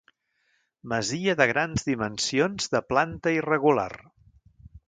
Masia de grans dimensions de planta irregular.